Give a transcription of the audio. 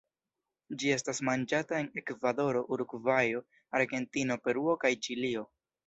Ĝi estas manĝata en Ekvadoro, Urugvajo, Argentino, Peruo kaj Ĉilio.